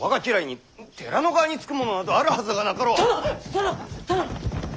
殿殿！